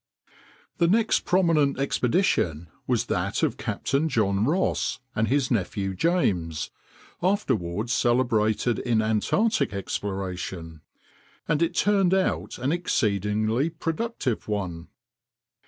The next prominent expedition was that of Captain John Ross and his nephew James, afterward celebrated in Antarctic exploration; and it turned out an exceedingly productive one.